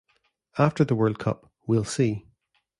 After the World Cup, we'll see.